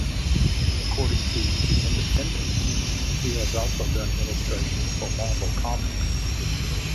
According to "The Independent", he has also done illustrations for Marvel Comics.